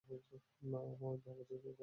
না হয় বাবাজীর ঘন্টা।